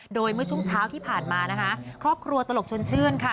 โดยเมื่อช่วงเช้าที่ผ่านมานะคะครอบครัวตลกชนชื่นค่ะ